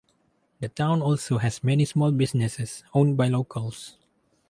The town also has many small businesses owned by locals.